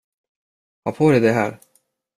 Ha på dig det här.